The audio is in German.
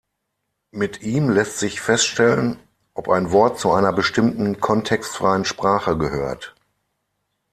Mit ihm lässt sich feststellen, ob ein Wort zu einer bestimmten kontextfreien Sprache gehört.